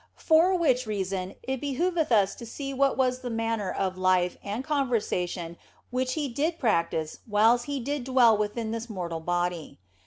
For which reason it behoveth us to see what was the manner of life and conversation which He did practise whiles He did dwell within this mortal body.